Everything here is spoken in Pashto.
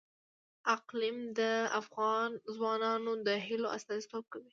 اقلیم د افغان ځوانانو د هیلو استازیتوب کوي.